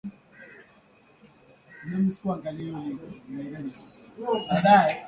abaki paka ku fanya kazi ya ku nyumba mama eko na haki ya